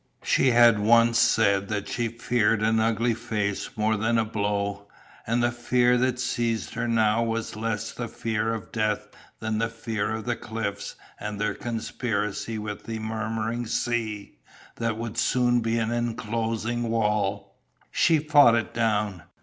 She had once said that she feared an ugly face more than a blow, and the fear that seized her now was less the fear of death than the fear of the cliffs and their conspiracy with the murmuring sea that would soon be an inclosing wall. She fought it down.